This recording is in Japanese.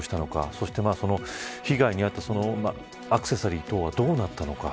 そして、被害に遭ったアクセサリー等はどうなったのか。